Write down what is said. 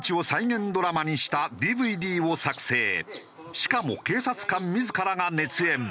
しかも警察官自らが熱演。